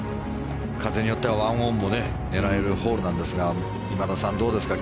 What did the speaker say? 風によっては１オンも狙えるホールなんですが今田さん、どうですか。